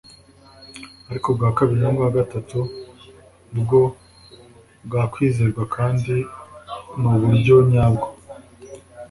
ariko ubwa kabiri n’ubwa gatatu bwo bwakwizerwa kandi ni uburyo nyabwo.